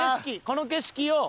この景色を。